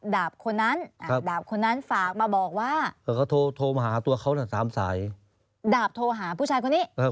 แล้วผู้ชายคนนี้มาเล่าให้เราฟัง